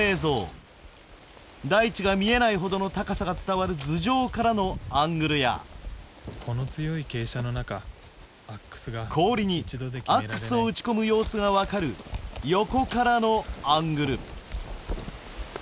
大地が見えないほどの高さが伝わる頭上からのアングルや氷にアックスを打ち込む様子が分かる横からのアングル。